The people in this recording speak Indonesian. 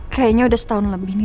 kayaknya udah setahun lebih ini